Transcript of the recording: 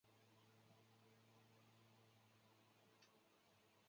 圣伊莱尔拉格拉韦勒。